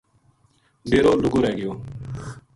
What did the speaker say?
ڈیرو لُگو رہ گیو